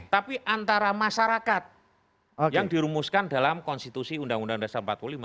tapi antara masyarakat yang dirumuskan dalam konstitusi undang undang dasar empat puluh lima